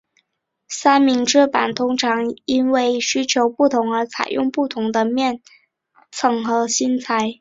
三明治板通常因为需求不同而采用不同的面层和芯材。